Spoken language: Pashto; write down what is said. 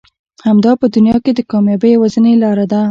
همدا په دنيا کې د کاميابي يوازنۍ لاره ده.